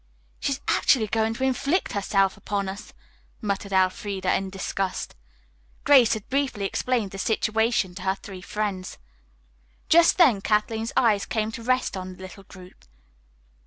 "She is actually going to inflict herself upon us," muttered Elfreda in disgust. Grace had briefly explained the situation to her three friends. Just then Kathleen's eyes came to rest on the little group.